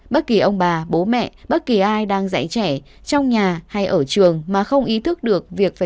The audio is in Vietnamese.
bất kỳ ông bà bố mẹ bất kỳ ai đang dạy trẻ trong nhà hay ở trường mà không ý thức được việc